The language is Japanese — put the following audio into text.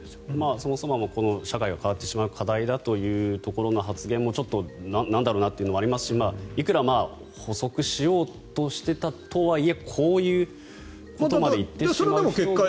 そもそも社会が変わってしまう課題だという発言もなんだろうな？というのはありますしいくら補足しようとしてたとはいえこういうことまで言ってしまうほうが。